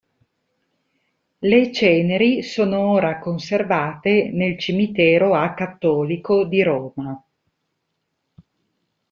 Le ceneri sono ora conservate nel cimitero acattolico di Roma.